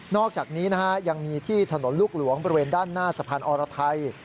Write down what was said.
อกจากนี้ยังมีที่ถนนลูกหลวงบริเวณด้านหน้าสะพานอรไทย